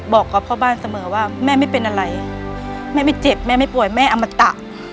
บอกกับพ่อบ้านเสมอว่าแม่ไม่เป็นอะไรแม่ไม่เจ็บแม่ไม่ป่วยแม่อมตะ